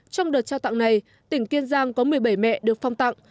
trong đợt trao tặng này tỉnh kiên giang có một mươi bảy mẹ được phong tặng